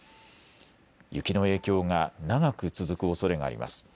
雪の影響が長く続くおそれがあります。